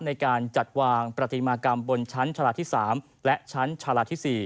ในการจัดวางประติมากรรมบนชั้นชาลาที่๓และชั้นชาลาที่๔